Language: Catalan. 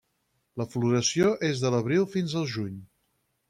La floració és de l'Abril fins al Juny.